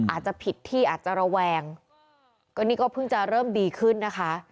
อาจจะผิดที่อาจจะระแวงก็นี่ก็เพิ่งจะเริ่มดีขึ้นนะคะ